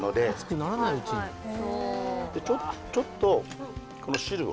ちょっとこの汁をね